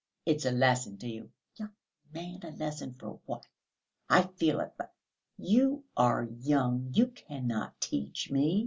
"It's a lesson to you...." "Young man, a lesson for what!... I feel it ... but you are young, you cannot teach me."